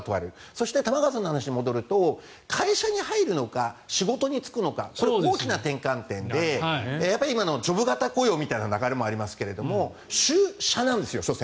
そして玉川さんの話に戻ると会社に入るのか仕事に就くのか大きな転換点なので今、ジョブ型雇用みたいなこともありますが就社なんですよ。